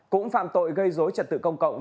cũng phạm tội gây dối trật tự công cộng